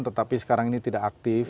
tetapi sekarang ini tidak aktif